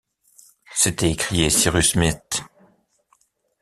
s’était écrié Cyrus Smith